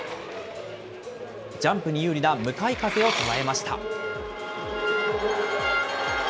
ジャンプに有利な向かい風を捉えました。